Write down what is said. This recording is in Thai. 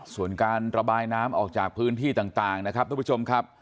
ส่วนการระบายน้ำออกจากพื้นที่ต่างนะครับทุกผู้ชมครับ